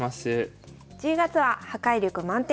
１０月は「破壊力満点！